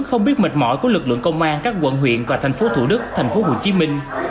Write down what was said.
không biết mệt mỏi của lực lượng công an các quận huyện và thành phố thủ đức thành phố hồ chí minh